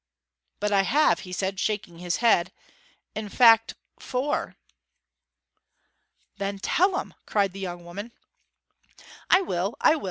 'But I have!' he said, shaking his head. 'In fact, four.' 'Then tell 'em!' cried the young woman. 'I will I will.